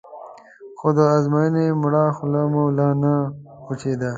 خو د ازموینې مړه خوله مې لا نه وچېده.